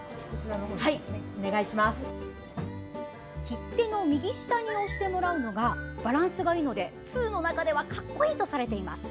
切手の右下に押してもらうのがバランスがいいので通の中では格好いいとされています。